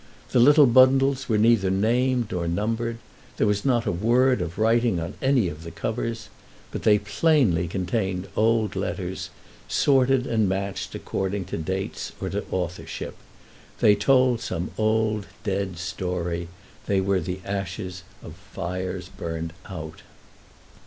The little bundles were neither named nor numbered—there was not a word of writing on any of the covers; but they plainly contained old letters, sorted and matched according to dates or to authorship. They told some old, dead story—they were the ashes of fires burned out.